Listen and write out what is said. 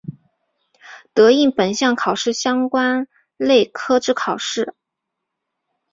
得应本项考试相关类科之考试。